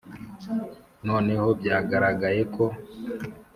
noneho byaragaragaye ko,